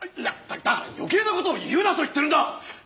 あっいやだから余計な事を言うなと言ってるんだ！